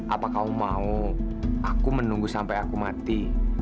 apa kamu mau aku menunggu sampe aku mati